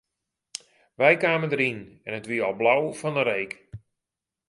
Wy kamen deryn en it wie al blau fan 'e reek.